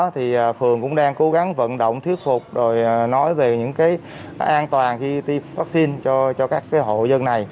thì phường cũng đang cố gắng vận động thuyết phục rồi nói về những cái an toàn khi tiêm vaccine cho các hộ dân này